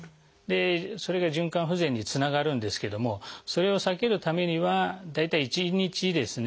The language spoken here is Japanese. でそれが循環不全につながるんですけどもそれを避けるためには大体１日ですね